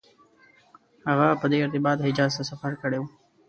هغه په دې ارتباط حجاز ته سفر کړی و.